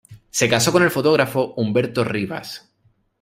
Se casó con el fotógrafo Humberto Rivas.